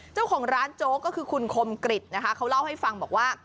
เจ้าของร้านโจ๊กก็คือคุณคมกริจนะคะเขาเล่าให้ฟังบอกว่า